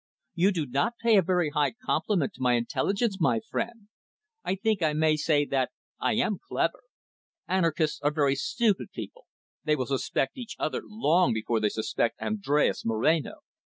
"You do not pay a very high compliment to my intelligence, my friend. I think I may say that I am clever. Anarchists are very stupid people. They will suspect each other long before they suspect Andres Moreno."